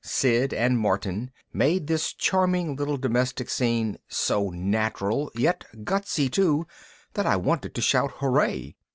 Sid and Martin made this charming little domestic scene so natural yet gutsy too that I wanted to shout hooray.